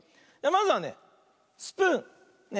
まずはね「スプーン」。ね。